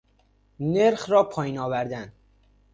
نرخ را پائین آوردن